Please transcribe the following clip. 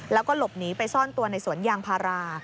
แล้วก็หลบหนีไปซ่อนตัวในสวนยางพารา